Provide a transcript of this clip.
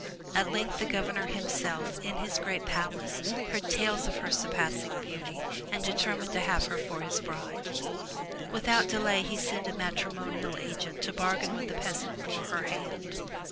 At length the governor himself, in his great palace, heard tales of her surpassing beauty and determined to have her for his bride. Without delay he sent a matrimonial agent to bargain with the peasant for her hand.